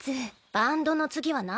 バンドの次は何？